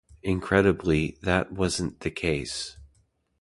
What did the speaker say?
Incredibly, that wasn't the case.